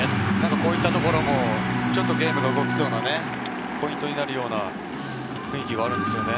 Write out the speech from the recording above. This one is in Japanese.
こういったところもちょっとゲームが動きそうなポイントになるような雰囲気があるんですよね。